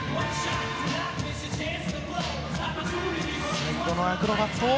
最後のアクロバット。